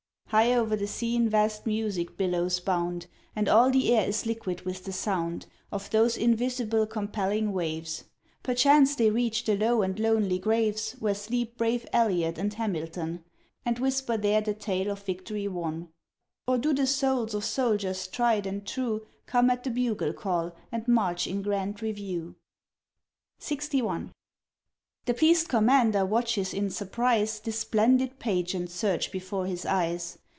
High o'er the scene vast music billows bound, And all the air is liquid with the sound Of those invisible compelling waves. Perchance they reach the low and lonely graves Where sleep brave Elliott and Hamilton, And whisper there the tale of victory won; Or do the souls of soldiers tried and true Come at the bugle call, and march in grand review? LXII. The pleased Commander watches in surprise This splendid pageant surge before his eyes.